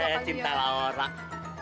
hei cinta lah orang